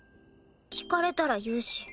聞かれたら言うし。